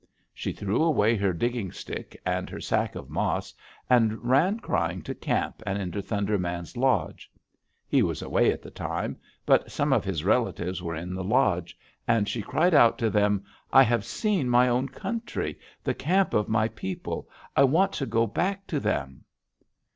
She threw away her digging stick, and her sack of mas, and ran crying to camp and into Thunder Man's lodge. He was away at the time, but some of his relatives were in the lodge, and she cried out to them: 'I have seen my own country; the camp of my people. I want to go back to them!'